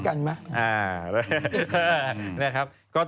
อ่านะครับ